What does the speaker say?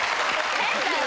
変だよ！